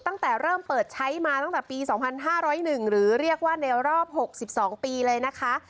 ตั้งแต่เริ่มเปิดใช้มาตั้งแต่ปี๒๕๐๑หรือเรียกว่าในรอบ๖๒ปีเลยนะคะ